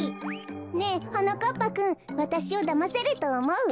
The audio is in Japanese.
ねえはなかっぱくんわたしをだませるとおもう？